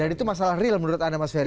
dan itu masalah real menurut anda mas ferry